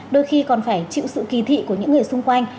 đôi khi còn phải chịu sự kỳ thị của những người xung quanh